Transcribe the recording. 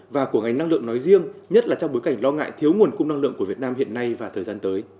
và của ngành năng lượng nói riêng nhất là trong bối cảnh lo ngại thiếu nguồn cung năng lượng của việt nam hiện nay và thời gian tới